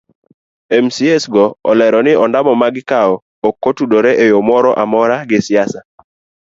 Mcas go olero ni ondamo magikawo ok otudore eyo moro amora gi siasa.